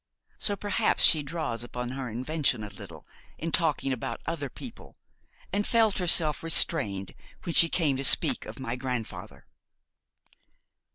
So, perhaps, she draws upon her invention a little in talking about other people, and felt herself restrained when she came to speak of my grandfather.'